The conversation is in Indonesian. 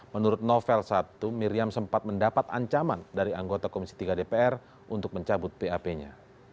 menurut novel satu miriam sempat mendapat ancaman dari anggota komisi tiga dpr untuk mencabut pap nya